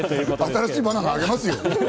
新しいバナナあげますよ。